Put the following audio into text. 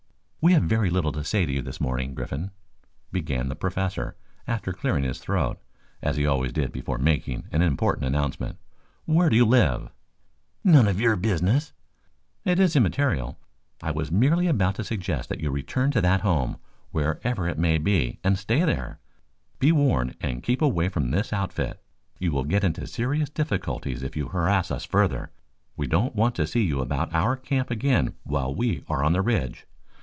"We have very little to say to you this morning, Griffin," began the Professor, after clearing his throat, as he always did before making an important announcement. "Where do you live?" "None of your business." "It is immaterial. I was merely about to suggest that you return to that home, wherever it may be, and stay there. Be warned and keep away from this outfit. You will get into serious difficulties if you harass us further. We don't want to see you about our camp again while we are on the Ridge.